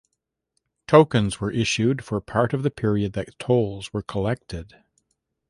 Tokens were issued for part of the period that tolls were collected.